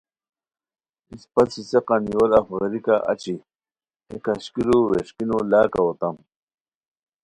اِسپہ څیڅیقان یور اف غیریکا اچی ہےکھشکیرو ویݰکینو لاکاؤ اوتام